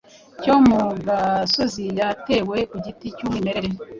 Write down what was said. cyo mu gasozi yatewe ku giti cy’umwimerere.